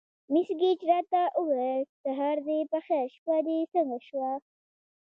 مس ګېج راته وویل: سهار دې په خیر، شپه دې څنګه شوه؟